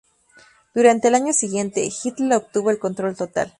Durante el año siguiente, Hitler obtuvo el control total.